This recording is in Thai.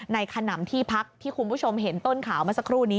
ขนำที่พักที่คุณผู้ชมเห็นต้นข่าวเมื่อสักครู่นี้